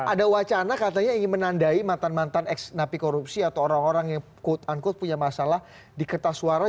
ada wacana katanya ingin menandai mantan mantan ex napi korupsi atau orang orang yang quote unquote punya masalah di kertas suara